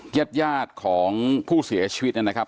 ญาติยาดของผู้เสียชีวิตนะครับ